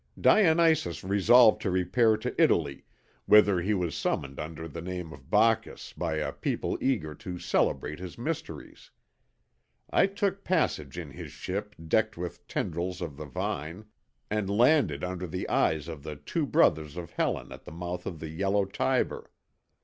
"Dionysus resolved to repair to Italy, whither he was summoned under the name of Bacchus by a people eager to celebrate his mysteries. I took passage in his ship decked with tendrils of the vine, and landed under the eyes of the two brothers of Helen at the mouth of the yellow Tiber.